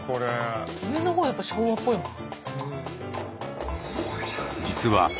上の方はやっぱ昭和っぽいもん。